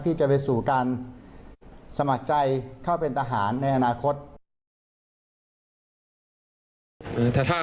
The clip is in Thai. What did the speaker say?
ที่จะไปสู่การสมัครใจเข้าเป็นทหารในอนาคต